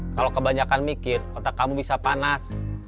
kalau kebanyakan mikir otak kamu bisa panas